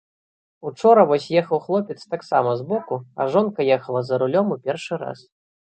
Учора вось ехаў хлопец таксама збоку, а жонка ехала за рулём у першы раз.